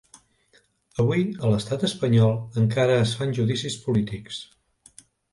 Avui, a l’estat espanyol, encara es fan judicis polítics.